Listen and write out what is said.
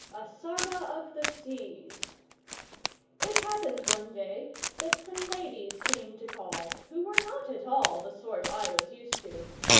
A SAGA OF THE SEAS It happened one day that some ladies came to call, who were not at all the sort I was used to.